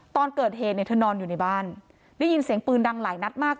ตอนเกิดเหตุเนี่ยเธอนอนอยู่ในบ้านได้ยินเสียงปืนดังหลายนัดมาก